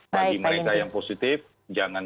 bagi mereka yang positif jangan